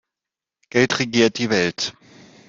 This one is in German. Geld regiert die Welt.